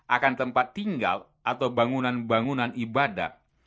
akan tempat tinggal atau bangunan bangunan ibadah